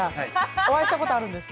お会いしたことあるんですか。